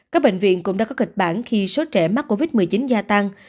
các bệnh viện cũng đã có kịch bản khi số trẻ mắc covid một mươi chín gia tăng